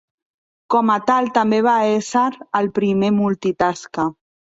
Com a tal també va esser el primer multi tasca.